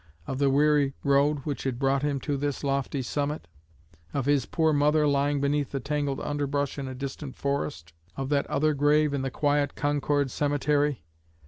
Of the weary road which had brought him to this lofty summit? Of his poor mother lying beneath the tangled underbrush in a distant forest? Of that other grave in the quiet Concord cemetery?